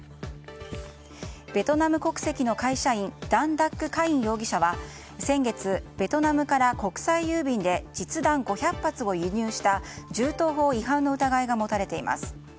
ベトナム国籍の会社員ダン・ダック・カイン容疑者は先月、ベトナムから国際郵便で実弾５００発を輸入した銃刀法違反の疑いが持たれています。